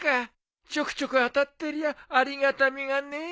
ちょくちょく当たってりゃありがたみがねえや。